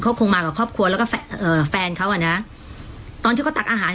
เขาคงมากับครอบครัวแล้วก็แฟนเอ่อแฟนเขาอ่ะนะตอนที่เขาตักอาหาร